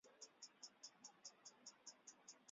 天顺七年。